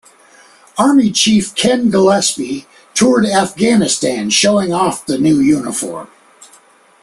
Army chief Ken Gillespie toured Afghanistan showing off the new uniform.